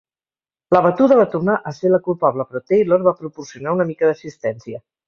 La batuda va tornar a ser la culpable però Taylor va proporcionar una mica d'assistència.